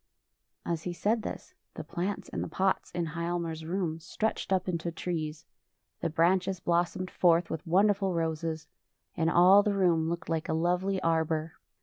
As he said thisj the plants in the pots in Hialmar's room stretched up into trees: the branches blos somed forth with wonderful roses, and all the room looked like a lovely arbor.